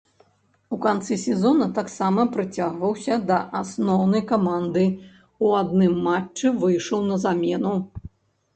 У канцы сезона таксама прыцягваўся да асноўнай каманды, у адным матчы выйшаў на замену.